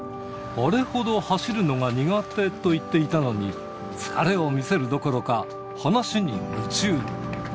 あれほど走るのが苦手と言っていたのに、疲れを見せるどころか、話に夢中。